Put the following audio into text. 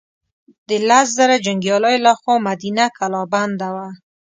د لس زره جنګیالیو له خوا مدینه کلا بنده وه.